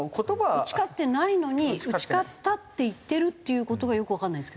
打ち勝ってないのに「打ち勝った」って言ってるっていう事がよくわかんないんですけど。